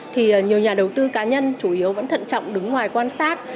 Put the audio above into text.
thì nhiều nhà đầu tư cá nhân chủ yếu vẫn thận trọng đứng ngoài quan sát